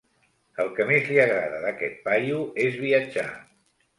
El que més li agrada d'aquest paio és viatjar.